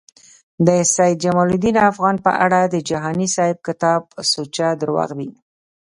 د سید جمالدین افغان په اړه د جهانی صیب کتاب سوچه درواغ دی